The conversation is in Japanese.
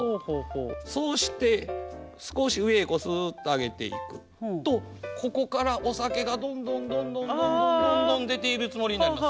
そうして少し上へすっと上げていくとここからお酒がどんどんどんどんどんどんどんどん出ているつもりになります。